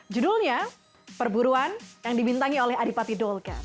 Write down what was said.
judulnya perburuan yang dibintangi oleh adipati dolka